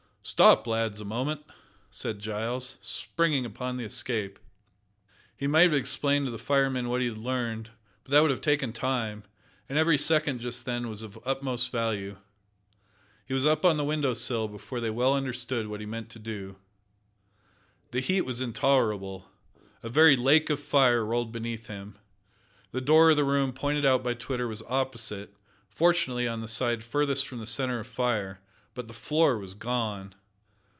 "Stop, lads, a moment," said Giles, springing upon the Escape. He might have explained to the firemen what he had learned, but that would have taken time, and every second just then was of the utmost value. He was up on the window sill before they well understood what he meant to do. The heat was intolerable. A very lake of fire rolled beneath him. The door of the room pointed out by Twitter was opposite fortunately on the side furthest from the centre of fire, but the floor was gone.